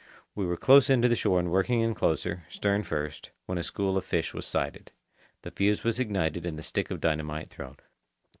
We were close in to the shore and working in closer, stern first, when a school of fish was sighted. The fuse was ignited and the stick of dynamite thrown.